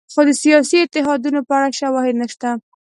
خو د سیاسي اتحادونو په اړه شواهد نشته.